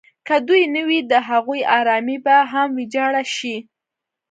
که دوی نه وي د هغوی ارامي به هم ویجاړه شي.